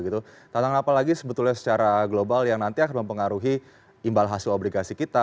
tantangan apalagi secara global yang nanti akan mempengaruhi imbal hasil obligasi kita